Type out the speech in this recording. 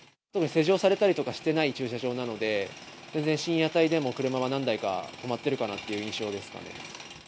施錠されたりとかしていない駐車場なので、深夜帯でも車が何台か止まってるかなという印象ですかね。